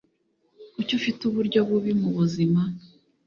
Kuki ufite uburyo bubi mubuzima?